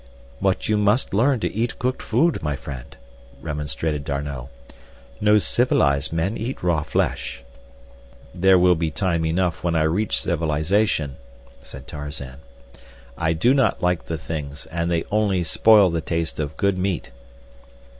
"But you must learn to eat cooked food, my friend," remonstrated D'Arnot. "No civilized men eat raw flesh." "There will be time enough when I reach civilization," said Tarzan. "I do not like the things and they only spoil the taste of good meat."